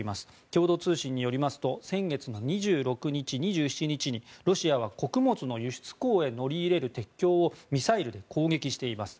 共同通信によりますと先月の２６日、２７日にロシアは穀物の輸出港へ乗り上げる鉄橋をミサイルで攻撃しています。